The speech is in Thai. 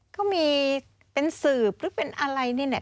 ก็มีเป็นสืบหรือเป็นอะไรนี่เนี่ย